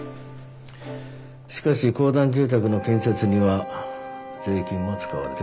しかし公団住宅の建設には税金も使われてます。